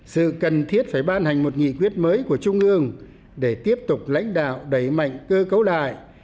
sự cần thiết phải ban hành một nghị quyết mới của trung ương để tiếp tục lãnh đạo đẩy mạnh cơ cấu lại